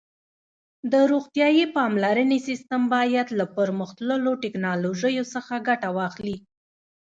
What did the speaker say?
د روغتیايي پاملرنې سیسټم باید له پرمختللو ټکنالوژیو څخه ګټه واخلي.